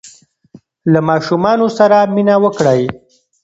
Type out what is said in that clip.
له ماشومانو سره مینه وکړئ.